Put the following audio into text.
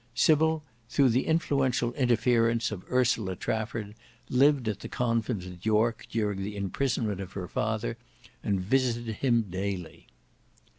Sybil, through the influential interference of Ursula Trafford, lived at the convent at York during the imprisonment of her father, and visited him daily.